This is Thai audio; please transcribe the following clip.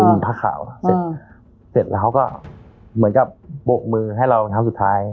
ยืนผ้าข่าวเสร็จเสร็จแล้วก็เหมือนกับโปะมือให้เราทำสุดท้าย